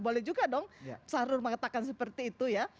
boleh juga dong sahrul mengatakan seperti itu ya